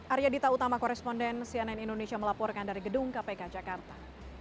arya dita utama koresponden cnn indonesia melaporkan dari gedung kpk jakarta